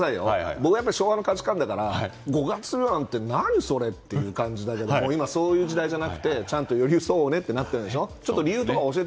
僕は昭和の価値観だから五月病って何それ？って感じだけども今は、そういう時代じゃなくてちゃんと寄り添おうねってなってるんでしょ。